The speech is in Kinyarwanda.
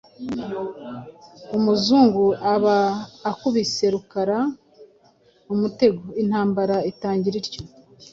umuzungu aba akubise Rukara umutego, intambara itangira ityo.